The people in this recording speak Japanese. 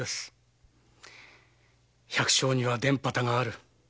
百姓には田畑がある。